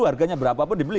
harganya berapa pun dibeli